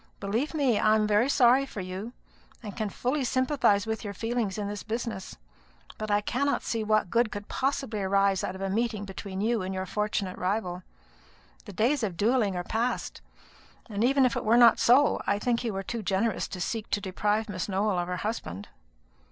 Believe me, I am very sorry for you, and can fully sympathise with your feelings in this business; but I cannot see what good could possibly arise out of a meeting between you and your fortunate rival. The days of duelling are past; and even if it were not so, I think you are too generous to seek to deprive Miss Nowell of her husband."